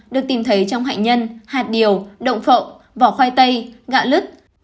được tìm thấy trong hạnh nhân hạt điều động phộng vỏ khoai tây gạo lứt